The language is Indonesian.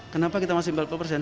kenapa kita masih empat puluh persen